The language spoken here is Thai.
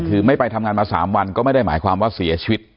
คือไม่ไปทำงานมา๓วันก็ไม่ได้หมายความว่าเสียชีวิต